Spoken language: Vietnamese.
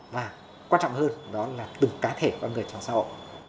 và quan trọng hơn đó là từng cá thể con người trong xã hội